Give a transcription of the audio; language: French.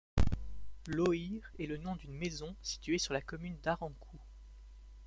Lauhire est le nom d'une maison située sur la commune d'Arancou.